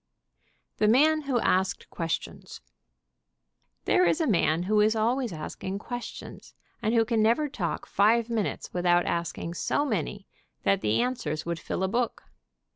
THE MAN WHO ASKED QUESTIONS. There is a man who is always asking questions, and who can never talk five minutes without asking so many that the answers would fill a book.